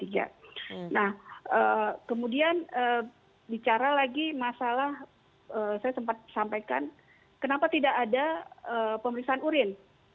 nah kemudian bicara lagi masalah saya sempat sampaikan kenapa tidak ada pemeriksaan urin